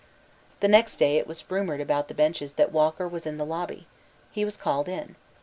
The next day it was rumoured about the benches that Walker was in the lobby. He was called in.